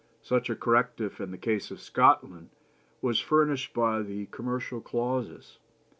Such a corrective in the case of Scotland, was furnished by the commercial clauses.